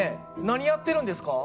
何やってるんですか？